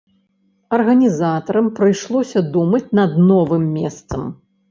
Арганізатарам прыйшлося думаць над новым месцам.